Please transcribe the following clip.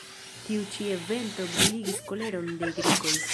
Tiu ĉi evento bruligis koleron de grekoj.